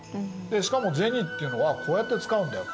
で「しかも銭っていうのはこうやって使うんだよ。